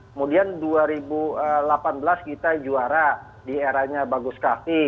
kemudian dua ribu delapan belas kita juara di eranya bagus kavi